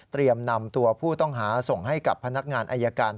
นำตัวผู้ต้องหาส่งให้กับพนักงานอายการ